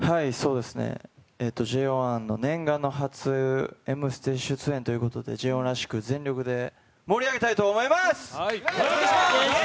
ＪＯ１の念願の初「Ｍステ」出演ということでＪＯ１らしく全力で盛り上げたいと思います！